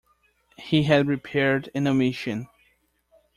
He had repaired an omission.